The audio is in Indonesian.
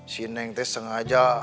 si neng sengaja